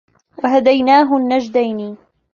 وَهَدَيناهُ النَّجدَينِ